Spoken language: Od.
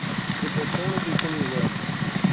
جِٺي ڪُوڻ بِي ڪونهِي هِلَي۔